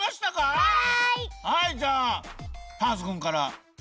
はいじゃあターズくんから。